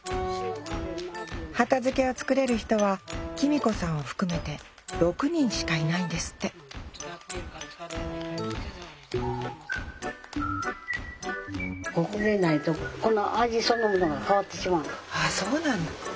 畑漬をつくれる人はキミ子さんを含めて６人しかいないんですってあそうなんだ。